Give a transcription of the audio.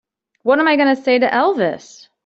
What am I going to say to Elvis?